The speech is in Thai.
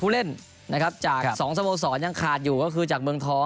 เล่นนะครับจาก๒สโมสรยังขาดอยู่ก็คือจากเมืองทอง